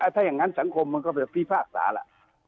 ถ้าอย่างนั้นสังคมมันก็จะฟรีภาษาล่ะ